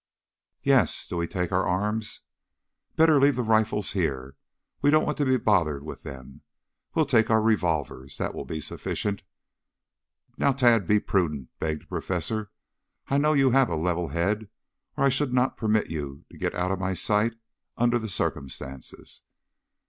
"Yes. Do we take our arms?" "Better leave the rifles here. We don't want to be bothered with them. We'll take our revolvers. That will be sufficient." "Now, Tad, be prudent," begged the professor. "I know you have a level head or I should not permit you to get out of my sight under the circumstances."